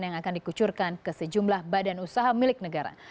yang akan dikucurkan ke sejumlah badan usaha milik negara